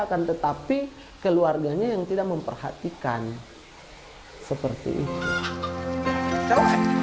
akan tetapi keluarganya yang tidak memperhatikan seperti itu